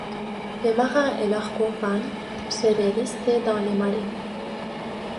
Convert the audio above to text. Les marins et leurs compagnes seraient restés dans les marais.